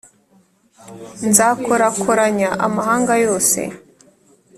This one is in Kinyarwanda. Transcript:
nzakorakoranya amahanga yose,